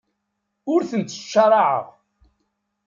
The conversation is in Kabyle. Ur tent-ttcaṛaɛeɣ.